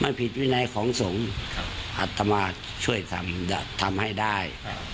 มันผิดวินัยของสงฆ์อัตมาช่วยทำให้ได้